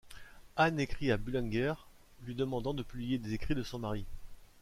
Anne écrit à Bullinger, lui demandant de publier des écrits de son mari.